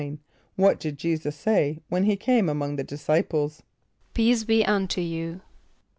= What did J[=e]´[s+]us say when he came among the disciples? ="Peace be unto you."